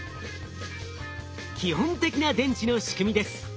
基本的な電池の仕組みです。